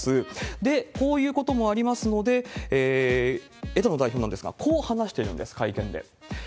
で、こういうこともありますので、枝野代表なんですが、こう話しているんです、会見で。